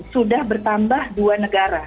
sudah bertambah dua negara